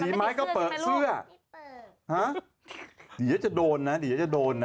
สีไมส์ก็เปิดเสื้อห๊ะดีอยากจะโดนนะดีอยากจะโดนนะ